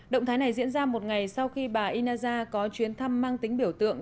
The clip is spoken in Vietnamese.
động thái này diễn ra một ngày sau khi bà inaza có chuyến thăm mang tính biểu tượng